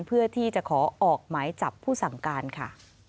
เพื่อที่จะขอออกหมายจับผู้สั่งการค่ะ